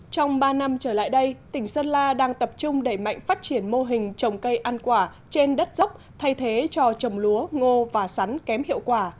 trong ba năm trở lại đây tỉnh sơn la đang tập trung đẩy mạnh phát triển mô hình trồng cây ăn quả trên đất dốc thay thế cho trồng lúa ngô và sắn kém hiệu quả